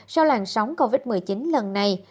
sau làn sóng covid một mươi chín lần này